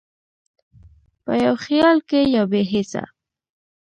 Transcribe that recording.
په یو خیال کې یا بې هېڅه،